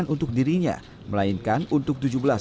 ketua muri jaya suprana mengganjarnya dengan dua rekor sekaligus